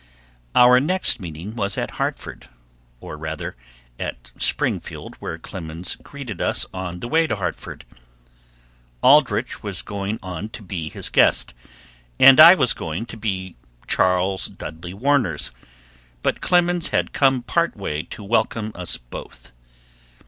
Our next meeting was at Hartford, or, rather, at Springfield, where Clemens greeted us on the way to Hartford. Aldrich was going on to be his guest, and I was going to be Charles Dudley Warner's, but Clemens had come part way to welcome us both.